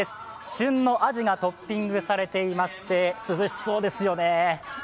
旬のアジがトッピングされていまして、涼しそうですよね。